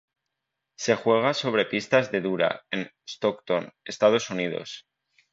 Se juega sobre pistas de dura, en Stockton, Estados Unidos.